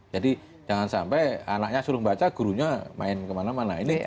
jadi jangan sampai anaknya suruh baca gurunya main kemana mana